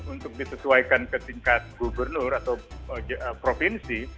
untuk disesuaikan ke tingkat gubernur atau provinsi